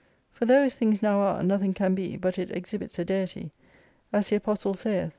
For though as things now are, nothing can be, but it exhibits a Deity ; as the Apostle saith.